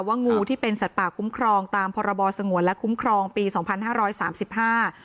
งูที่เป็นสัตว์ป่าคุ้มครองตามพรบสงวนและคุ้มครองปีสองพันห้าร้อยสามสิบห้า